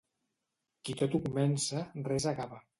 Qui tot ho comença, res acaba.